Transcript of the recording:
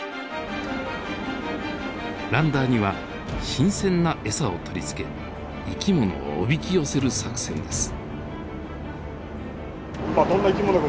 ランダーには新鮮な餌を取り付け生き物をおびき寄せる作戦です。